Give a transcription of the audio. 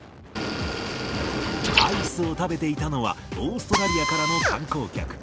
アイスを食べていたのは、オーストラリアからの観光客。